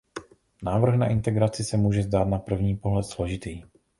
Návrh na integraci se může zdát na první pohled složitý.